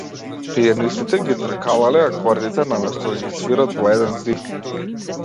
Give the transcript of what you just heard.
Пијанистите ги тркалалале акордите, наместо да ги свират во еден здив.